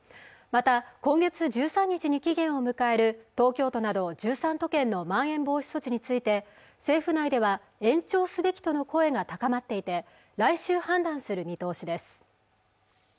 また今月１３日に期限を迎える東京都など１３都県のまん延防止措置について政府内では延長すべきとの声が高まっていて来週判断する見通しです